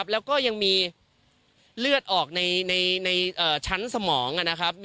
แล้วก็ยังมีเลือดออกในชั้นสมองนะครับ